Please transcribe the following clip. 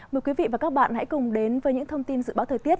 mời quý vị và các bạn hãy cùng đến với những thông tin dự báo thời tiết